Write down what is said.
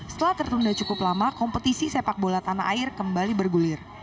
setelah tertunda cukup lama kompetisi sepak bola tanah air kembali bergulir